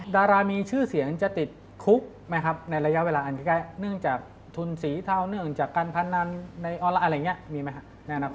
ดารามีชื่อเสียงจะติดคุกไหมครับในระยะเวลาอันใกล้เนื่องจากทุนสีเทาเนื่องจากการพนันในออนไลน์อะไรอย่างนี้มีไหมครับ